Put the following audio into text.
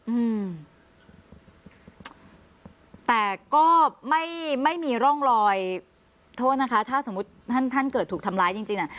อืมแต่ก็ไม่ไม่มีร่องรอยโทษนะคะถ้าสมมุติท่านท่านเกิดถูกทำร้ายจริงจริงอ่ะ